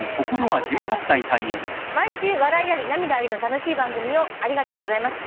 「毎週笑いあり涙ありの楽しい番組をありがとうございます。